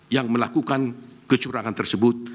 yang melakukan kecurangan tersebut